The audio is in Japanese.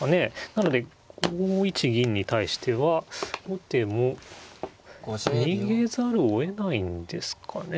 なので５一銀に対しては後手も逃げざるをえないんですかね。